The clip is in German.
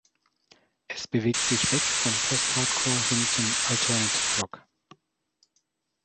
Es bewegt sich weg vom Post-Hardcore hin zum Alternative Rock.